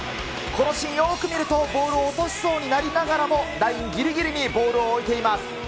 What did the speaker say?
このシーン、よく見るとボールを落としそうになりながらも、ラインぎりぎりにボールを置いています。